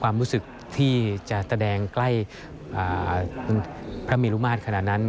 ความรู้สึกที่จะแสดงใกล้พระเมรุมาตรขนาดนั้น